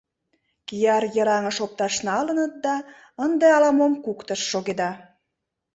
— Кияр йыраҥыш опташ налыныт да, ынде ала-мом куктышт шогеда!